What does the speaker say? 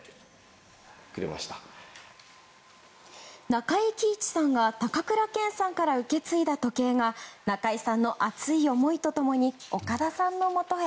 中井貴一さんが高倉健さんから受け継いだ時計が中井さんの熱い思いと共に岡田さんのもとへ。